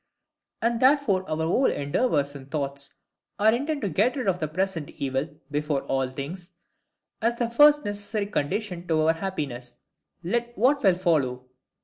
And therefore our whole endeavours and thoughts are intent to get rid of the present evil, before all things, as the first necessary condition to our happiness; let what will follow.